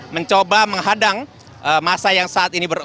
mencoba menghadang masa yang saat ini berada